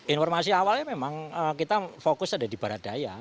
informasi awalnya memang kita fokus ada di barat daya